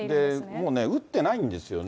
もうね、打ってないんですよね。